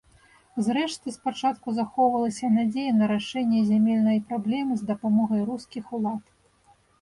Зрэшты спачатку захоўвалася надзея на рашэнне зямельнай праблемы з дапамогай рускіх улад.